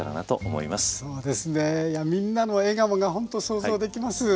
いやみんなの笑顔がほんと想像できます。